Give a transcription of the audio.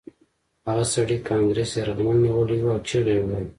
هغه سړي کانګرس یرغمل نیولی و او چیغې یې وهلې